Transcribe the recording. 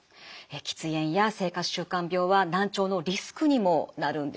喫煙や生活習慣病は難聴のリスクにもなるんです。